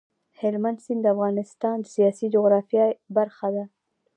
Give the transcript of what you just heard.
هلمند سیند د افغانستان د سیاسي جغرافیه برخه ده.